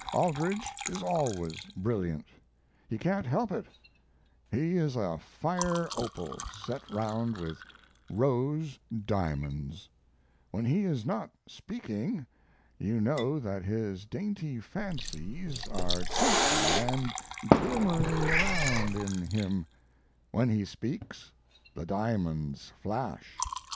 Aldrich is always brilliant; he can't help it; he is a fire opal set round with rose diamonds; when he is not speaking you know that his dainty fancies are twinkling and glimmering around in him; when he speaks the diamonds flash.